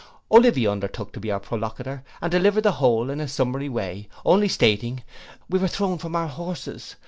Olivia undertook to be our prolocutor, and delivered the whole in a summary way, only saying, 'We were thrown from our horses.